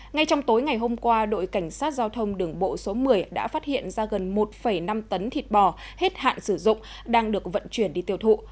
ngay trong tối ngày hôm qua đội cảnh sát giao thông đường bộ số một mươi đã phát hiện ra gần một năm tấn thịt bò hết hạn sử dụng đang được vận chuyển đi tiêu thụ